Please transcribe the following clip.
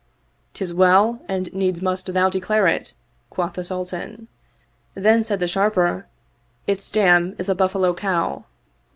" Tis well, and needs must thou declare it," quoth the Sultan. Then said the Sharper, " Its dam is a buffalo cow."